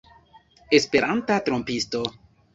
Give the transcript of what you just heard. Esperanta trompisto!